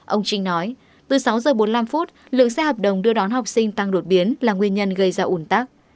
ông trinh nói từ sáu giờ bốn mươi năm lượng xe hợp đồng đưa đón học sinh tăng đột biến là nguyên nhân gây ra ủn tắc